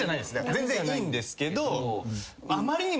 全然いいんですけど。